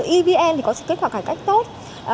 evn thì có sự kết quả cải cách tốt